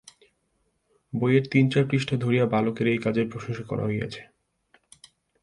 বই-এর তিন-চার পৃষ্ঠা ধরিয়া বালকের এই কাজের প্রশংসা করা হইয়াছে।